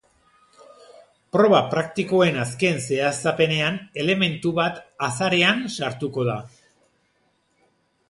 Proba praktikoen azken zehaztapenean elementu bat azarean sartuko da.